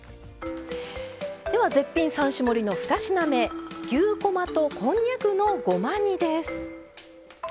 では絶品３種盛りの２品目牛肉とこんにゃくのごま煮です。